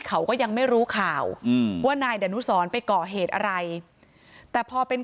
เขาก็ยังไม่รู้ข่าวอืมว่านายดานุสรไปก่อเหตุอะไรแต่พอเป็น